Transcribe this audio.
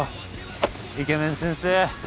イケメン先生。